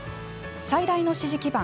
最大の支持基盤